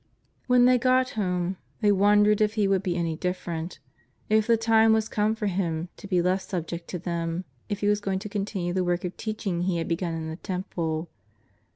When they got home they wondered if He would be any different; if the time was come for Him to be less subject to them; if He was going to continue the work of teaching He had begun in the Temple.